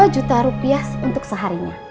dua juta rupiah untuk seharinya